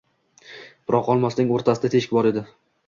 Biroq olmosning oʻrtasida teshik bor edi